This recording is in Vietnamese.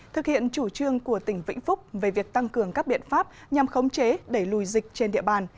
thực hiện chủ trương của tỉnh vĩnh phúc về việc tăng cường các biện pháp nhằm khống chế đẩy lùi dịch trên địa bàn